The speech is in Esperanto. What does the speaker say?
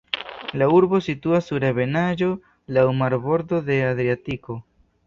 La urbo situas sur ebenaĵo, laŭ marbordo de Adriatiko.